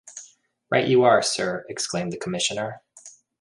Right you are, sir, exclaimed the commissioner.